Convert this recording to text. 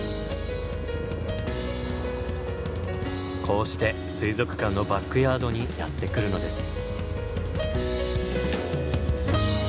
こうして水族館のバックヤードにやって来るのです。